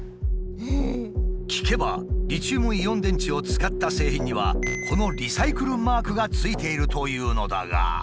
聞けばリチウムイオン電池を使った製品にはこのリサイクルマークがついているというのだが。